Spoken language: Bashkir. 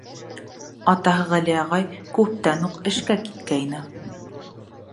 Атаһы Ғәли ағай күптән үк эшкә киткәйне.